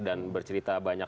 dan bercerita banyak